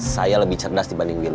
saya lebih cerdas dibanding